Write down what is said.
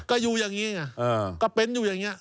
ก็อยู่อย่างนี้ไงก็เป็นอยู่อย่างนี้